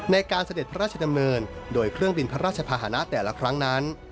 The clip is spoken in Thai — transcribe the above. เสด็จพระราชดำเนินโดยเครื่องบินพระราชภาษณะแต่ละครั้งนั้น